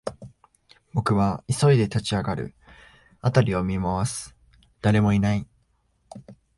僕は急いで立ち上がる、辺りを見回す、誰もいない